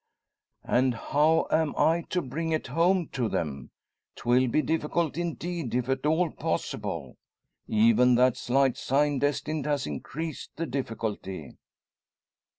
"And how am I to bring it home to them? 'Twill be difficult, indeed, if at all possible. Even that slight sign destined has increased the difficulty.